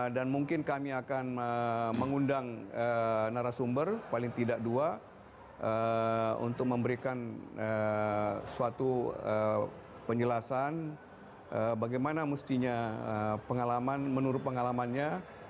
dan mungkin kami akan mengundang narasumber paling tidak dua untuk memberikan suatu penjelasan bagaimana mestinya pengalaman menurut pengalamannya